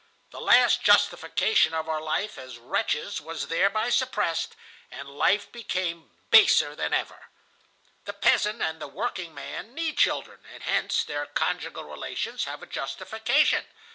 The last justification of our life as wretches was thereby suppressed, and life became baser than ever. "The peasant and the workingman need children, and hence their conjugal relations have a justification.